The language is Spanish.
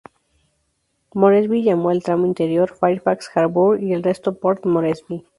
Moresby llamó al tramo interior "Fairfax Harbour", y al resto "Port Moresby".